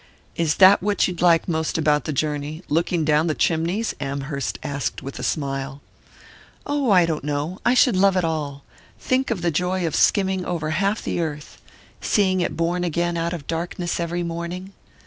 "Is that what you'd like most about the journey looking down the chimneys?" Amherst asked with a smile. "Oh, I don't know I should love it all! Think of the joy of skimming over half the earth seeing it born again out of darkness every morning!